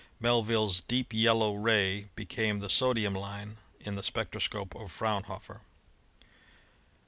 Melvill's deep yel low ray became the sodium line in the spectroscope of Fraunhofer.